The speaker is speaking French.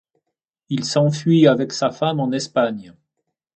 Il s'enfuit avec sa femme en Espagne.